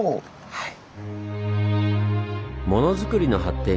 はい。